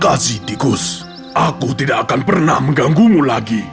kasih tikus aku tidak akan pernah mengganggumu lagi